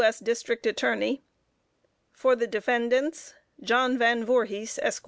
S. District Attorney. For the Defendants: JOHN VAN VOORHIS, ESQ.